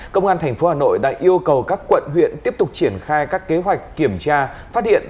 công an thành phố hà nội đã yêu cầu các quận huyện tiếp tục triển khai các kế hoạch kiểm tra phát hiện